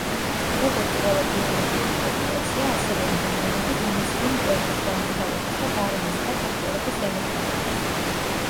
როგორც ყველა ბიოლოგიური პოპულაცია, ასევე ადამიანები, განიცდიან კვების, ჯანმრთელობის და გარემოს სხვა ფაქტორების ზემოქმედებას.